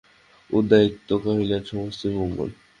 উদয়াদিত্য কহিলেন, সমস্তই মঙ্গল।